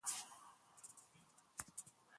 د پښتنو نومونه او روئيې را وړاندې کړے شوې دي.